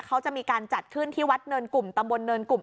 เขาจะมีการจัดขึ้นที่วัดเนินกลุ่มตำบลเนินกลุ่ม